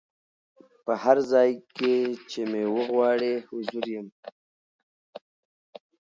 په هر ځای کي چي مي وغواړی حضور یم